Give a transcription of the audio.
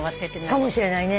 かもしれないね。